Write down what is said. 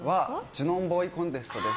ジュノンボーイコンテストです。